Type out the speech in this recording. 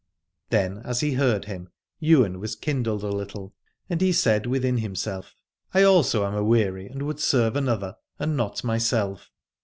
Then as he heard him Ywain was kindled a little, and he said within himself: I also am aweary, and would serve another, and not myself.